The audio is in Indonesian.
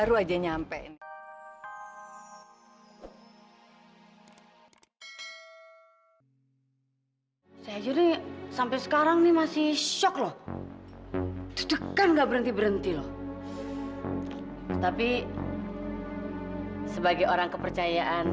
sampai jumpa di video selanjutnya